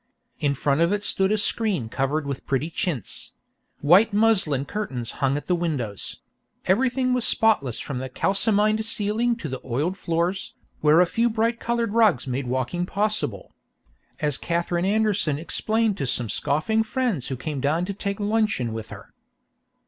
In front of it stood a screen covered with pretty chintz; white muslin curtains hung at the windows; everything was spotless from the kalsomined ceiling to the oiled floors, where a few bright colored rugs made walking possible. As Katherine Anderson explained to some scoffing friends who came down to take luncheon with her.